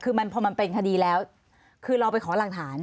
คือมันพอมันเป็นคดีแล้วคือเราไปขอหลักฐาน